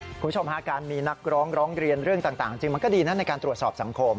คุณผู้ชมฮะการมีนักร้องร้องเรียนเรื่องต่างจริงมันก็ดีนะในการตรวจสอบสังคม